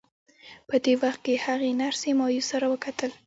په دې وخت کې هغې نرسې مایوسه را وکتل